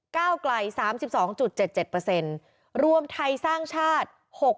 ก้าวไกล๓๒๗๗รวมไทยสร้างชาติ